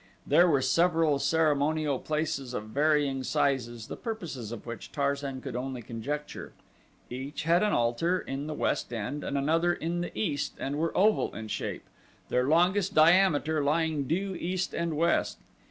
There were several ceremonial places of varying sizes, the purposes of which Tarzan could only conjecture. Each had an altar in the west end and another in the east and were oval in shape, their longest diameter lying due east and west.